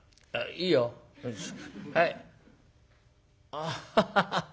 「あハハハ。